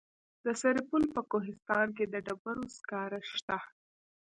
د سرپل په کوهستان کې د ډبرو سکاره شته.